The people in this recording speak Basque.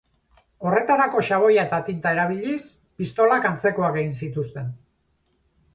Horretarako xaboia eta tinta erabiliz, pistolak antzekoak egin zituzten.